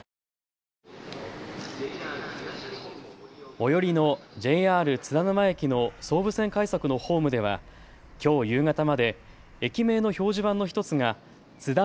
最寄りのＪＲ津田沼駅の総武線快速のホームではきょう夕方まで駅名の表示板の１つがつだ